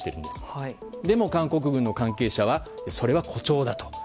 でも、韓国軍関係者はそれは誇張だと。